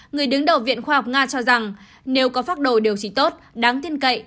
người đứng đầu viện khoa học nga cho rằng nếu có phát đồ điều trị tốt đáng thiên cậy